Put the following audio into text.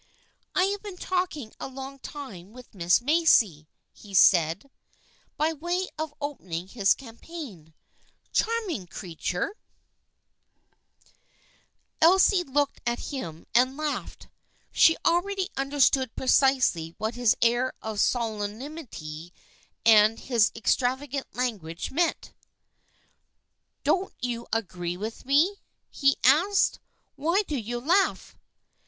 " I have been talking a long time with Miss Macy," said he, by way of opening his campaign. " Charming creature !" 164 THE FRIENDSHIP OF ANNE Elsie looked at him and laughed. She already understood precisely what his air of solemnity and his extravagant language meant. " Don't you agree with me ?" he asked. " Why do you laugh